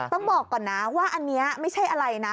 ต้องบอกก่อนนะว่าอันนี้ไม่ใช่อะไรนะ